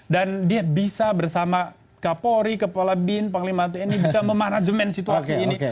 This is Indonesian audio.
dan dia bisa bersama kapolri kepala bin pak limatu ini bisa memanajemen situasi ini